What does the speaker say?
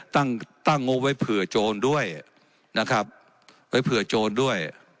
ตั้งตั้งงบไว้เผื่อโจรด้วยนะครับไว้เผื่อโจรด้วย